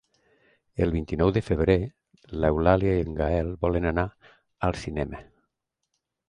El vint-i-nou de febrer n'Eulàlia i en Gaël volen anar al cinema.